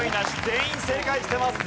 全員正解してます。